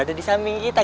tadi di samping kita